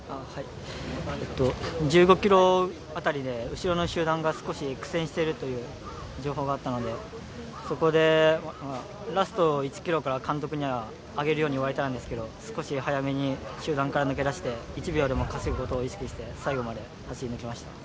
１５ｋｍあたりで後ろの集団が苦戦しているという情報があったのでラスト１ｋｍから監督には上げるように言われたんですけれど、少し早めに集団から抜け出して、１秒を稼ぐことを意識して走りました。